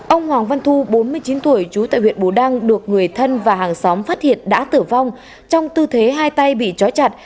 ông hoàng văn thu bốn mươi chín tuổi trú tại huyện bù đăng được người thân và hàng xóm phát hiện đã tử vong trong tư thế hai tay bị chói chặt